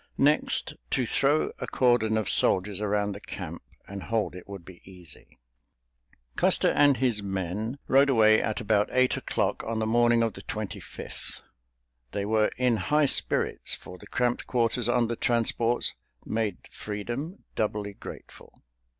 Next, to throw a cordon of soldiers around the camp and hold it would be easy. Custer and his men rode away at about eight o'clock on the morning of the Twenty fifth. They were in high spirits, for the cramped quarters on the transports made freedom doubly grateful.